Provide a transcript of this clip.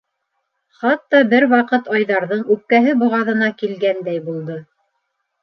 Хатта бер ваҡыт Айҙарҙың үпкәһе боғаҙына килгәндәй булды.